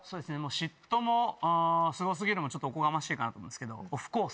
嫉妬もすご過ぎるもちょっとおこがましいかなと思うんですけど。